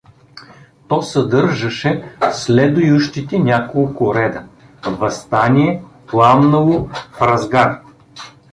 То съдържаше следующите няколко реда: „Въстание пламнало, в разгар!“